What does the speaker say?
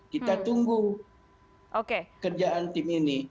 kita tunggu kerjaan tim ini